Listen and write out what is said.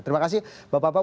terima kasih bapak bapak